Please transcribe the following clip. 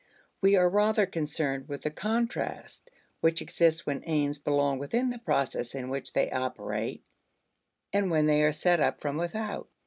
We are rather concerned with the contrast which exists when aims belong within the process in which they operate and when they are set up from without.